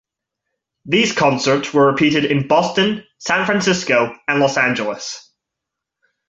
These concerts were repeated in Boston, San Francisco and Los Angeles.